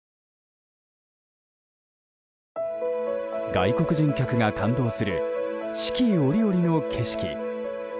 外国人客が感動する四季折々の景色。